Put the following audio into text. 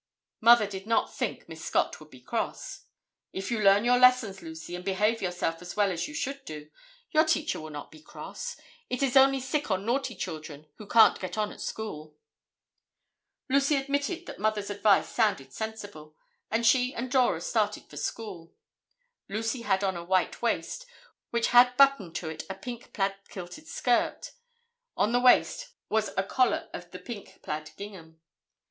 Mother did not think Miss Scott would be cross. "If you learn your lessons, Lucy, and behave yourself as well as you should do, your teacher will not be cross. It is only sick or naughty children who can't get on at school." Lucy admitted that Mother's advice sounded sensible, and she and Dora started for school. Lucy had on a white waist, which had buttoned to it a pink plaid kilted skirt. On the waist was a collar of the pink plaid gingham.